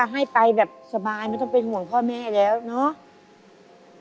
ให้ไปแบบสบายไม่ต้องเป็นห่วงพ่อแม่แล้วเนาะ